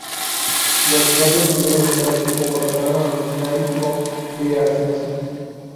Los cuatro primeros de cada grupo pasarán a los play-offs de ascenso.